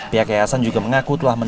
pihak yayasan juga mengaku telah menerima